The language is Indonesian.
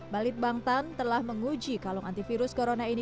balit bangtan telah menguji kalung antivirus corona ini